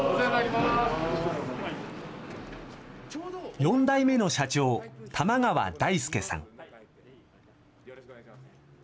４代目の社長、玉川大輔さん。